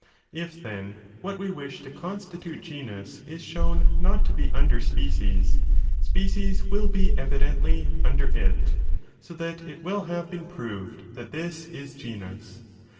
If then what we wish to constitute under living. genus §.is shown not to be under species, || species ingisthegenus will be evidently under it,{ so that it will have cuca been proved that this is genus.